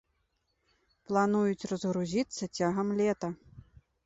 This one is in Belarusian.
Плануюць разгрузіцца цягам лета.